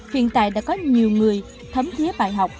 hiện tại đã có nhiều người thấm thiế bài học